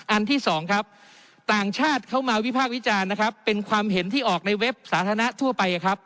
อันที่๒ต่างชาติเข้ามาวิพากษ์วิจารณ์เป็นความเห็นที่ออกในเว็บสาธารณะทั่วไป